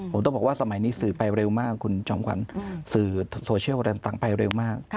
ผมต้องบอกว่าสมัยนี้สื่อไปเร็วมากคุณจอมขวัญสื่อโซเชียลอะไรต่างไปเร็วมาก